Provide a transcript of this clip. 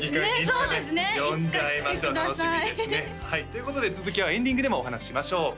そうですねいつか来てくださいということで続きはエンディングでもお話ししましょう